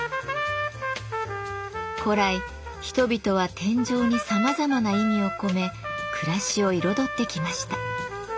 古来人々は天井にさまざまな意味を込め暮らしを彩ってきました。